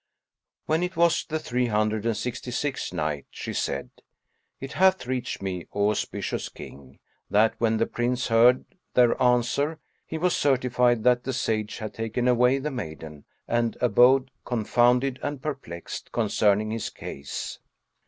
When it was the Three Hundred and Sixty sixth Night, She said, It hath reached me, O auspicious King, that when the Prince heard their answer, he was certified that the Sage had taken away the maiden and abode confounded and perplexed concerning his case.